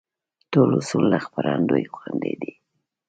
ټول اصول له خپرندوى خوندي دي.